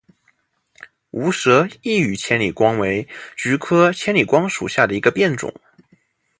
无舌异羽千里光为菊科千里光属下的一个变种。